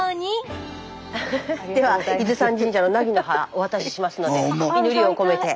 では伊豆山神社のナギの葉お渡ししますので祈りを込めて。